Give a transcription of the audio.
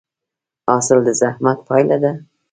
حاصل د زحمت پایله ده؟